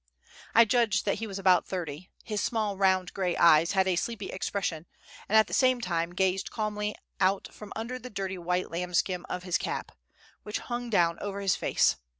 I judged that he was about thirty. His small, round, gray eyes had a sleepy expression, and at the same time gazed calmly out from under the dirty white lambskin of his cap, which hung down over his face.